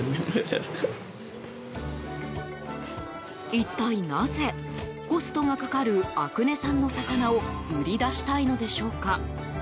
一体なぜコストがかかる阿久根産の魚を売り出したいのでしょうか？